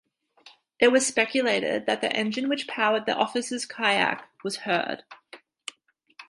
It was speculated that the engine which powered the officers kayak was heard.